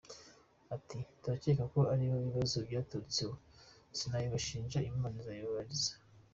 Ati :”turakeka ko aribo ikibazo cyaturutseho, sinabibashinja, Imana izabibibariza.